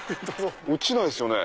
落ちないですよね？